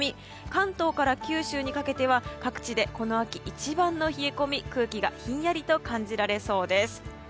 関東から九州にかけては各地でこの秋一番の冷え込み、空気がひんやりと感じられそうです。